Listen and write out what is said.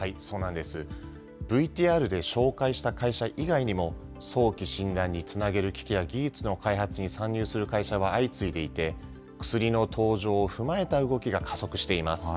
ＶＴＲで紹介した会社以外にも、早期診断につなげる機器や技術の開発に参入する会社は相次いでいて、薬の登場を踏まえた動きが加速しています。